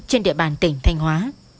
trên địa bàn tỉnh thanh hóa